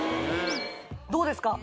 どうですか？